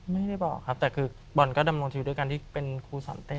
ไม่ได้บอกครับแต่คือบอลก็ดำรงชีวิตด้วยการที่เป็นครูสอนเต้น